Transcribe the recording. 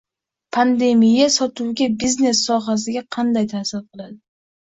pandemiya sotuvga, biznes sohasiga qanday taʼsir qildi